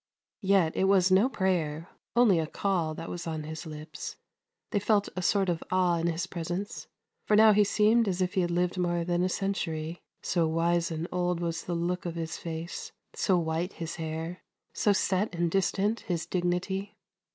Yet it was no prayer, only a call, that was on his lips. They felt a sort of awe in his presence, for now he seemed as if he had lived more than a century, so wise and old was the look of his face, so white his hair, so set and distant his dignity.